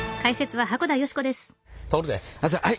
はい。